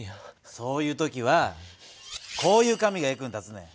そういう時はこういう紙が役に立つねん。